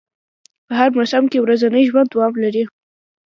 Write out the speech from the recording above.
په هر موسم کې ورځنی ژوند دوام لري